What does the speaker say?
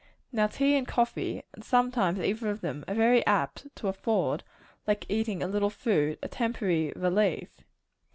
Now tea and coffee and sometimes either of them are very apt to afford, like eating a little food, a temporary relief.